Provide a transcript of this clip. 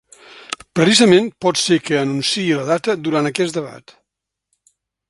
Precisament pot ser que anunciï la data durant aquest debat.